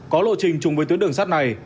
có lộ trình chung với tuyến đường sát này